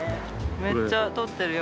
めっちゃ撮ってるよ。